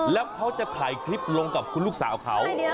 แล้วเขาจะถ่ายคลิปลงกับคุณลูกสาวเขา